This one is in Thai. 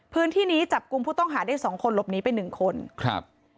พื้นที่นี้จับกลุ่มผู้ต้องหาได้สองคนหลบหนีไปหนึ่งคนครับ